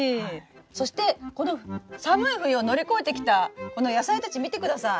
そしてこの寒い冬を乗り越えてきたこの野菜たち見てください！